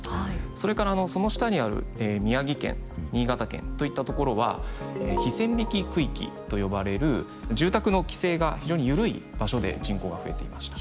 それからその下にある宮城県新潟県といったところは非線引き区域と呼ばれる住宅の規制が非常に緩い場所で人口が増えていました。